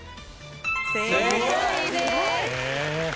正解です。